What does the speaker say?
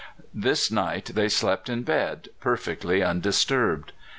This night they slept in bed, perfectly undisturbed.